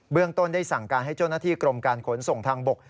เรื่องต้นได้สั่งการให้เจ้าหน้าที่กรมการขนส่งทางบก